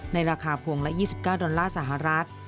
ในราคาพวงละ๒๙ดอลลาร์สหรัฐ